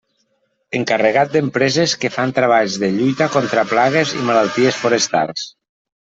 Encarregat d'empreses que fan treballs de lluita contra plagues i malalties forestals.